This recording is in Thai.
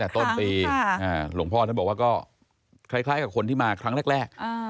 แปดครั้งค่ะอ่าหลวงพ่อเจ้าบอกว่าก็คล้ายคล้ายกับคนที่มาครั้งแรกแรก